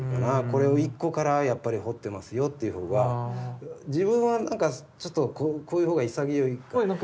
これを一個からやっぱり彫ってますよっていう方が自分はなんかちょっとこういう方が潔いから。